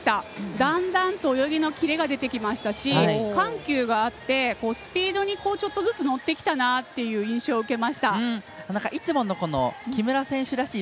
だんだんと泳ぎのキレが出てきましたし緩急があって、スピードにちょっとずつ乗ってきたなという印象を受けました。